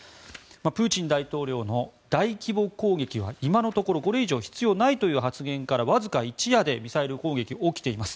プーチン大統領の大規模攻撃は今のところこれ以上必要ないという発言からわずか一夜でミサイル攻撃が起きています。